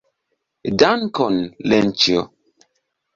Dankon, Lenĉjo.